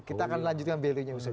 kita akan lanjutkan valuenya